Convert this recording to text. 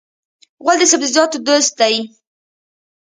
غول د سبزیجاتو دوست دی.